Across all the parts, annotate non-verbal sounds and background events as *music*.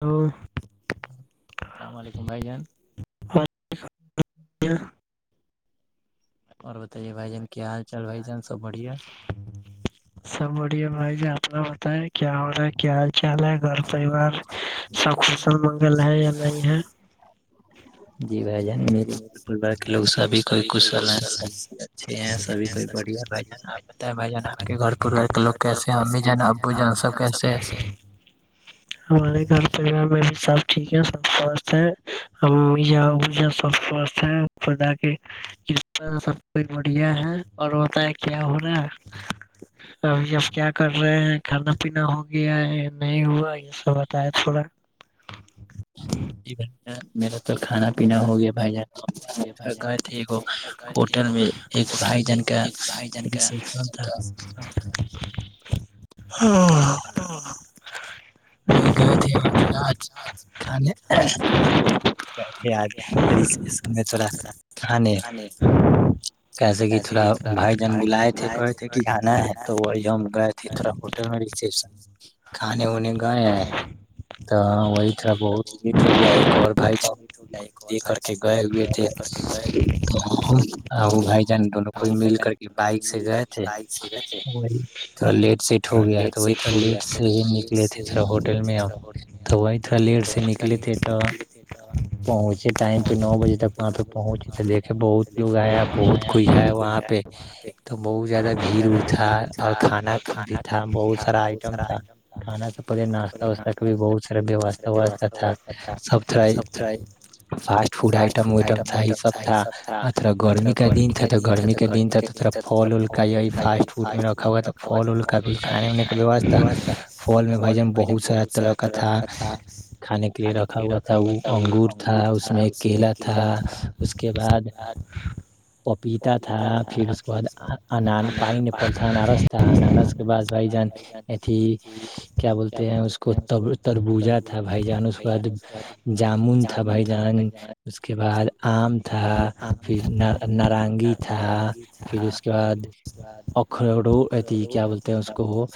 تو اللام علیکم بھائی جان کیا اور بتائیے بھائی جان کیا حال چال بھائی جان سب بڑھیا سب بڑیے بھائی جی آنا بت ہے کیا ہو رہا ہے کیا حال چال ہے گھر پریوار سب خشل منگل ہے یا نہیں ہے جی بھ جان میرے گھر پروار کے لوگ سبھی کوئی کشل ہیں سب اچھے ہیں سھی کوئی بڑھیا بھ جان آپ بتائیں بھائی جان آپ کے گھر پروار کے لوگ کیس ہیں امی جان ابو جان سب کیسے ہیں *inaudible* ہمارے گھر پرار میں بھی سب ٹھیک ہے سب سواستھ ہے جؤ سبھ ہے خدا کی ک سب کچھ بڑھیا ہے اور بتائے کیا ہوناا اب اب کیا کر رہے ہیں کھانا پینا ہو گیا ہے نہیں ہوا س بات ہے تھھوورا ہ میرا تو کھانا پینا ہو گیا بھائی جان گھر تھے وہ ہوٹل میں ہوٹل میں ایک آائی جن کا ہاں وہی گئے تھے وہ آج کھانے تھے آج رشن میں تھڑا کے کیسے کہ تھوڑا بھائی جان بلائے تھے کہے تھے کہ آنا ہے تو وہ گ اسی طرح ہوٹل میں ریسیپشن کھے ونے کا ہ تو وہی تھرح بہت لیٹ ہو گیا ایک اور بھائی چ دیک کر کے گئے ہوئے تھے وہ بھائی جان دونوں کو مل کر کے بائک سے گئے تھے وہی تھوڑا لیٹ سٹ ہوو گیا تو وہی تھوڑا لیٹ سے ہی نکلے تھے تھا ہوٹل میں ا تو وہی تھوڑا لیٹ سے نکلے تھے تو پا پہنچے ٹائم پہ نو بجے تک وہاں پہ پہنچے تو دیکے بہت لوگ آئے بہت کوئی ہے وہاں پہ تو بہت زیادہ بھیڑ وڑ تھا اور کھانا بھی تھا بہت سارا آئٹم تھا کھانا سب پڑے ناہ واسہ کا بھی بہت ساراواہ واسہ تھا سب سبتائی فسٹ فڈ آئٹم وٹم تھا ہی سب تھا اا گرمی کا دن تھا تو گرمی کا ف ف بول میں بھائی جان بہت سارا طرح کا تھا کھانے کے لیے رکھا ہوا تھا وہ انگور تھا اس میں کیلا تھا اس کے بعد ہ پپیتا تھا پھر اس کے بعد انان پانی پر تھا انارس تھا انارس کے بعد بھائی جان ا تھی کیا بولتے ہیں اس کو تب تربوجا تھا بھائی جان اس کو بد جامن تھا بھائی جان اس کے بعد آم تھا پھر نارگی تھا پھر اس کے بعد اکھرڑوتیھی کیا بولتے اس کو وہ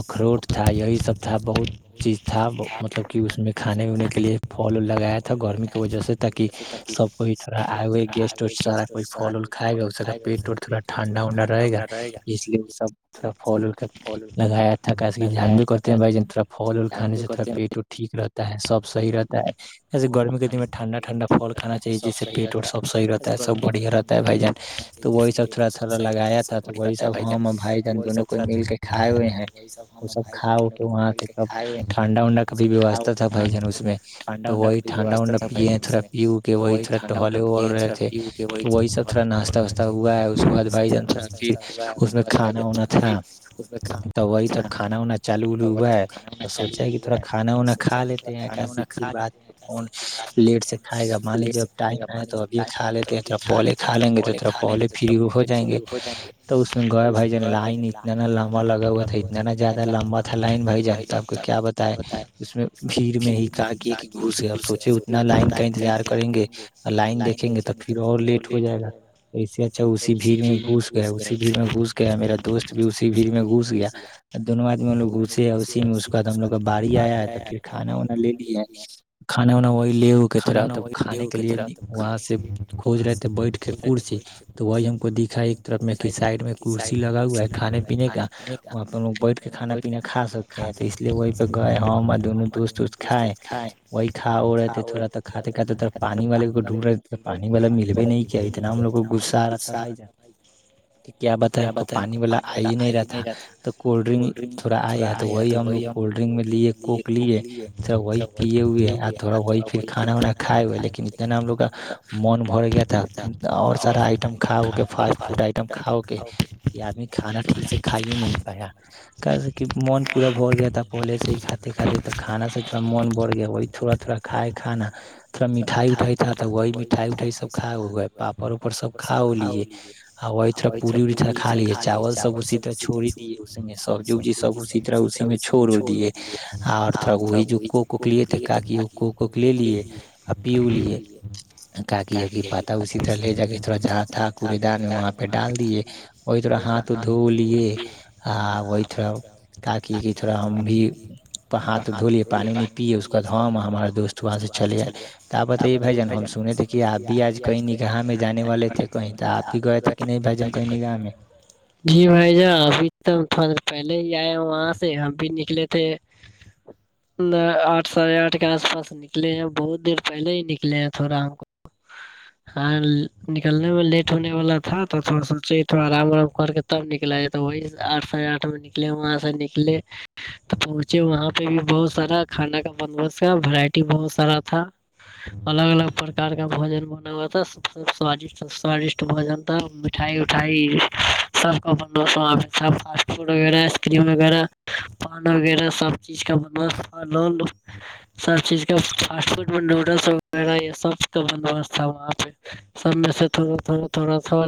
اخروٹ تھا یہی سب تھا بہت چیز تھا مطلب کہ اس میں کھے ونے کے لیے پھل ال لگایا تھا گرمی کی وجہ سے تاکہ سب کوئی تھڑا آئے ہوئے گیسٹ و سارا کوئی پھل و کھائے گا اس سب کا پیٹ وٹ تھوڑا ٹھنڈا ونڈا رہےا اس لیے وہ سب تھوڑا پھل ول کر لگایا تھکاسی کے دھیان بھی کرتے ہیں بھائی ج تھڑا پل ول کھے سے تھوڑا پیٹ وٹ ٹھیک رہتا ہے سب صحی رہتا ہے جیسے گرمی کے دن میں ٹھنڈا ٹھنڈا پل کانا چاہیے جس پٹ وٹ سبح رہتا ہے سب بڑھیا رہتا ہے بھائی جان تو وہی سب تھوڑا تھوڑا لگایا تھا تو وہی سب ہم اور بھائی جان دونوں کو مل کے کھائے ہوئے ہیں وہ سب کھا اٹ کے وہاں سے کب ٹھنڈا ونڈا کب ووستھا بھائی جان اس میں تو وہی ٹھنڈا ونڈا پیے ہیں تھوڑا پی ا کے وہی تھوڑا ٹہلے وہل رہے تھے تو وہی سب تھوڑا ناشہ واسہ ہوا ہے اس کے بعد بھائی جان تھا پھر اس میں کھانا وانا تھا تو وہی تب کانا وانا چالو الو ہوا ہے تو سوچا ہے کہ تھوڑا کھانا وانا کھ کھا لیتے ہیں کیسی پھر بعد میں کون لیٹ سے کھائے گا مان لیجیے اب ٹائم ہے تو یہ کا لیتے ہیں را پلے کھا لیں گے تو ا تھرا پہے فری ہو جائیں گے تو اس میں گ بھائی جن لائے نہیں اتنا نا لمبا لگا ہوا تھا اتنا نا زیادہ لمبا تھا لائن بھائی جنتا کو کیا بتائے اس میں بھیڑ میں ہی کہ کیا کہ گھسے اب سوچے اتنا لائن کا انتظار کریں گے لائن دیکھیں گے تو پھر اور لیٹ ہو جائے گا ایے اچھا اسی بھیڑ میں گھس گیا اسی بھیڑ میں گھس گیا میرا دوست بھی اسی بھیڑ میں گھس گیا اور دونوں آدمی لوگ گے اسی میں اس بد ہم لوگ کا باڑی آیا ہے تو پھر کھانا وا لے لی ہے کانا وانا وہ وہ لے ہو کے تھوڑاب کھانے کے لیے وہاں سے کھوج رہے تھے بیٹھ کے کرسی تو وہی ہم کو دیککھا ہے ایک طرف میں کہ سائڈ میں کرسی لگا ہوا ہے کھانے پینے کا وہاں پہوگ بیٹھ کے کھان پیینا کا سکتے ہیں تو اس لیے وہی پہ گئے ہاںاں دونوں دوست و کھائے وہی کھ کھا وہ رہ تھوڑا کھاتے کاتے تھ پانی والے کو ڈھڈ رہتےے تو پانی والا ملے نہیں کیا ہے اتنا ہم لوگ کو گغسصا تھا بھائی جان تو کیا بتا کو پانی والا آ ہی نہیں رہا تھا تو کولڈ ڈرنک تھوڑا آئے ہیں تو وہی ہم لوگ کولڈ ڈرنک میں لیے کوک لیے تھڑا وہی پیے ہوئے ہیں وہی پھر کھانا وانا کھائے ہوئے لیکن اتنا ہم لوگ کا من بھر گیا تھا اور سارا آئٹم کھاؤگے فاسٹ فوڈ آئٹم کھاؤگے کہ آدمی کھانا ٹھیک سے کھا ہی نہیں پایا کہ س کہ من پورا بور گیا پہولے سے ہی کاتے کاتے تو کانا سے تھوڑا من بڑھ گیا وہ تھوڑا تھوڑا کائے کھانا تھوڑا مٹھائی اٹھائی تھا تو وہی مٹھائی اٹھائی سب کھا ہو گئے پاپڑ وپڑ سب کا ہو لیے ہ وہی تھرح پوریوری تھرا کا لیے چاول سب اسی طرح چوڑی دییے اس میں ج جی سب اسی طرح اسی میں چوڑ دیے اور تھا وہی ج کو کوک لیے تھ کا کو کوک لے لیے اور پیو لیے کاکی ہوگ پاتا اسی طرح لے جا کے تھوڑا جہاں تھا کوڑے دار میں وہاں پہ ڈال دیے وہ تھرا ہاتھ دھو لیے آ وہ تھڑا تاکہ کہ تھوڑا ہم بھی ہاتھ دھو لیے پانی وانی پیے اس کا ہم ہمارا دوست وہاں سے چلے تو آپ بتائیے بھائی جان ہم س تھے کہ آپ بھی آج کئی نگاہ میں جانے والے تھے کوئی تو آپ بھی گئے تھ کہ نہیں بائیجن کوئی نہیں گا میںیں جی بھائی جان ابھی تو تھوڑا د پہلے ہی آئے وہاں سے ہم بھی نکلے تھے آٹھ ساڑھے آٹھ کے آس پاس نکلے ہیں بہت دیر پہلے ہی نکلے ہیں تھوڑا ہم کو ہاں نکلنے میں لیٹ ہونے والا تھا تو تھوڑا سوچی تھوڑا آرام آرام کر کے تب نکلا ہے تو وہی آٹھاھ آٹھ میں نکلے وہاں سے نکلے تو پہنچے وہاں پہ بھی بہت سارا کھانا کا بنوست کا وورائٹی بہت سارا تھا الگ الگ پرک کا بھجن بنا ہوا تھا سب سب سوادٹ سوادشٹ بھجن تھا مٹھائی وٹھائی سب کا اپوساں پہ سب فاسٹ فوڈ وغیرہ آئس کریم وغیرہ پان وغیرہ سب چیز کا بنا لو لو سب چیز کا فاسٹ فوڈ میں نوڈلس وغیرہ یہ سب کا بندوبست تھا وہاں پہ سب میں سے تھوڑا تھوڑا تھوڑا تھوڑا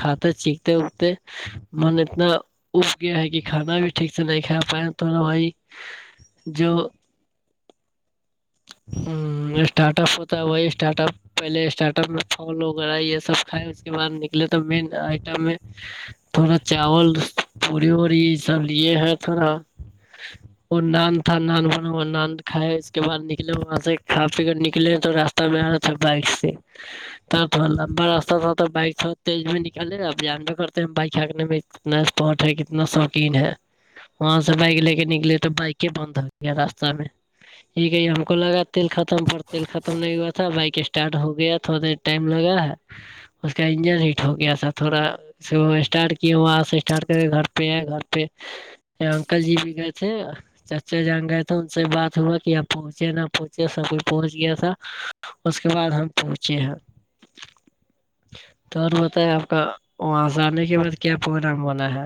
کھاتے چکتے اکتے م اتنا ا گ ہے کہ کھانا بھی ٹھیک سے نہیں کھا پائے توا وہی جو ہ اسٹارٹ اپ ہوتا ہے وہی اسٹارٹ اپ پہلے اسٹارٹ اپ میں فالوغا یہ سب کھائے اس کے بعد نکلے تو مین آئٹم میں تھوڑا چاول پوڑی ووری یہ سب لیے ہیں تھوڑا اور نان تھا نان بنا ہو نان کھائے اس کے بعد نکل وہاں سے کھا پی کر نکلے تو راستہ میں آ رہا تھا بائک سے تب لمبا رستہ تھا تو بائک تھ تیز بھی نکالےا اب جان بھی کرتے ہیں ہم بائک چھینکنے میں کتنا اسپاٹ ہے کتنا شوقین ہے وہاں سے بائک لے کے نکلی تو بائک بند ہو گیا راستہ میں یک ہے یہ ہم کو لگا تل ختم پڑ تیل ختم نہیں ہوا تھا بائک اسٹارٹ ہو گیا تھوڑا د ٹائم لگا ہے اس کا انجن ہیٹ ہو گیا سا تھوڑا اسٹارٹ کیا وہاں سے اسٹارٹ کر کے گھر پہ ہے گھر پہ ا انکل جی بھی گئے تھے چچا جان گئے تھے ان سے بات صبح کیا یہ پہنچے نہ پہنچے سبھی پہنچ گیا تھا اس کے بعد ہم پہنچے ہیں *inaudible* تو اور بتائے آپ کا وہاں سے آنے کے بعد کیا پروگرام ہونا ہے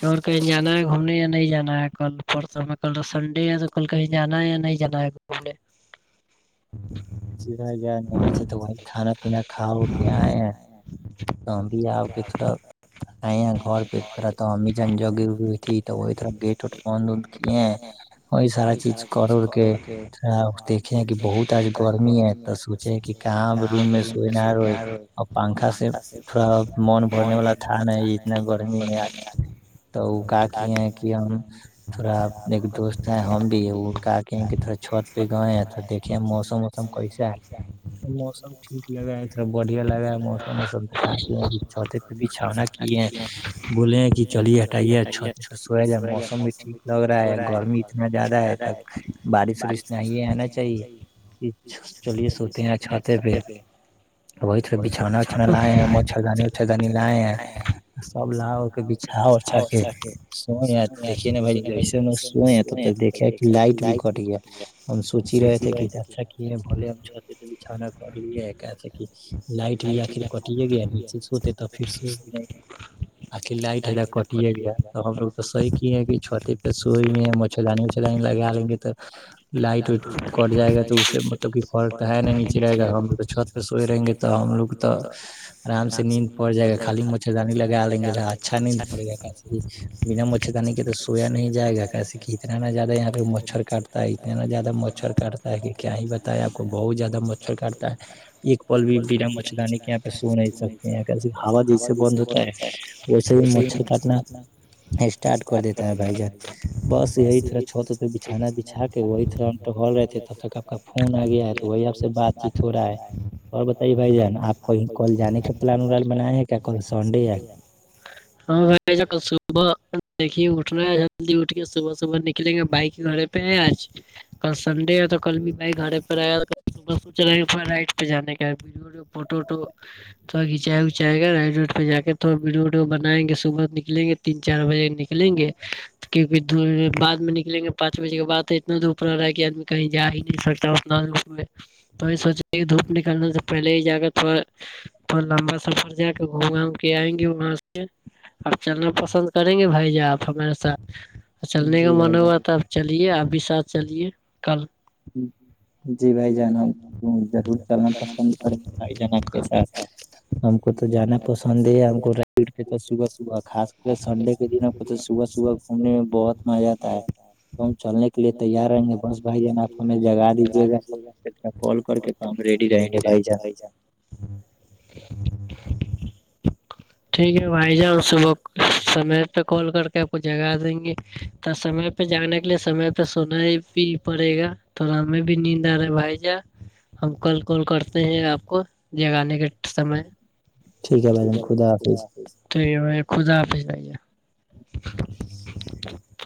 کہ اور کہیں جانا ہے گھومنے یا نہیں جانا ہے کل پرس میں کل سنڈے ہے تو کل کہیں جانا نیا نہیں جانا ہے گے جی بائی جائے ن آاںچے تو بھائی کانا پینا کاؤ کہ آ تاں بھی آ کے تھوڑا نہیںاں گ پہ تھرا تو ہممی جنجگگیئی تھی تو وہی تھرح گیٹ وٹ بند ہو کی ہیں وہی سارا چیز کر کے تھا دیکھے کہ بہت آج گمی روم سونا تھوڑا من بھرنے والا تھاان ہے یہ اتنا گرمی میں آ تو وہ کا کی ہیں کہ ہم تھوڑا ایک دوست ہیں ہم بھی وہ کاک کہ تھوڑے چھت پہ گئے ہیں تو دیکھیے موسم سا ہے موسم ٹیک لگا تھا بڑھیا لگا موسمسم ہٹا ہیں کہ چھوتے پہ بھی چھاونا کیے ہیں بولے ہیں کہ چلیے ہٹائیے چھ یہ تو سو جائے موسم بھی ٹھیک لگ رہا ہے گرمی اتنا زیادہ ہے تب بارش وارش نہ آنا چاہیے چلیے سوتے ہیں چھات پہ وہی تھوڑا بچھانا وچھانا لائے ہیں مچھردانی اچھھردانی لائے ہیں سب لا ہو کے اا اھا س دے نا بھائی جسےگ س لائٹ بھی کھٹ گیا ہم سوچ رہے تھ کہ بول ہم چھو د پ بچھؤنا کرلی ایکاس کی لائٹ بھی آخر کٹے گیا نیچے سوتے تو پھر سو بھی گئے آخ لائٹ ادا کٹ گ ہے تو ہم لوگ توح ہے چھتی پہ سوئی بھی ہے چلانی و چلانی لگا لیں گے تو لائٹ وٹ کٹ جائے گا تو اس سے مطلب کہ فر تو ہے ن نیچے رہے گا ہم لوگ چھت پہ سوئے رہیں گے تو ہم لوگ تو آرام سے نیند پڑ جائے گا خالی مچھردانی لگا لیں گے ج اچھا نیند پڑے گاس بنا مچھردانی کے تو سویا نہیں جائے گا کیسے کہ کتنا زیادہ یہ مچھر کاٹتا ہے اتنے ن زیادہ مچھر کاٹ کیا ہی بتتا ہے آ کو بہت زیادہ مچھر کاٹتا ہے ایک پل بھی ب مچھرانانی کے یہاں پہ سونا سب ہا جیسے بند ہوتا ہے جسے ہی مھر کاٹنا اسٹارٹ کر دیتا ہے بھائی جان بس یہی تھوڑا چھ تو بچانا بچا کے وہی تھرح ٹہل رہتے تب تک آپ کا فون آ گیا ہے تو وہی آپ سے بات چیت ہو رہا ہے اور بتائیے بھائی جان آپ کویں کال جانے کے پلان وان بنائے ہیں کیا کل سنڈے ہے ہاں بھائیا کل صبح دیکھیے اٹھنا ہے جلدی اٹ کے صبح صبح نکلیں گے بائک گڑ پہ آج کل سنڈے ہے تو کل بھی بھائی گاڑے پ آیا صح سوچ رہے رائٹ پہ جانے کے فوٹو ووٹو تھوڑا کھچایا اچائے گا رائڈ روڈ پہ جا کے تھوڑا ویڈیو ویڈیو بنائیں گے صبح نکلیں گے تین چار بجے نکلیں گے بع میں نے لیں گے پانچ بجے کے بع تو اتنا دھپ رہا ہے کہ آدمی کہیں جا ہی نہیں سکتا اتنا دپ میں تو سوچے کہ دھوپ نکالنے سے پہلے ہی جا کر تھوڑا تو لمبا سفر جا کے گھوماؤں کے آئیں گے وہاں سے آپ چلنا پسند کریں گے بھائی ج آپ ہمارے ساتھ چلنے کا منع ہوا تو آب چلیے آپ بھی ساتھ چلیے کل ہوں جی بھائی جانا ضرور چلنا پسند کروں بھائی جان کے ساتھ ہم کو تو جانا پسند ہی ہے ہم کو ر تو صبح صبح خاص کر سنڈے دنوں کو تو صبح صبح گھومنے میں بہت مزہ آتا ہے تو ہم چلنے کے لیے تیار رہیں گے بس بھائی جان آپ ہمیں جگا دیجیے گا سمجھ کال کر کے تو ہم ریڈی رہیں گے بھائی جان ٹھیک ہے بھائی جؤ صبح کچ سمے پہ کال کر کے آپ کو جگا دیں گے ت سمے پہ جانے کے لیے سمے پہ سونا ہی بھی پڑے گا تو ہم میں بھی نیند آ رہا بھائی جہ ہم کل کال کرتے ہیں آپ کو جگ آے کے سمے ٹھیک ہے خ حاظ تو خدا آپ بائیے *unintelligible*